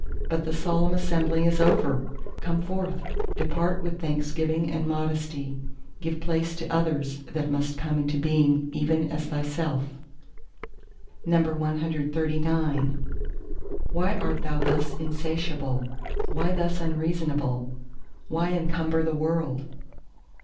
But the Solemn Assembly is over! Come forth, depart with thanksgiving and modesty—give place to others that must come into being even as thyself. CXL Why art thou thus insatiable? why thus unreasonable? why encumber the world?